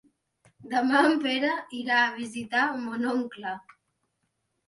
Demà en Pere irà a visitar mon oncle.